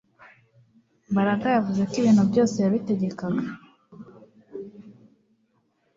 Mbaraga yavuze ko ibintu byose yabitegekaga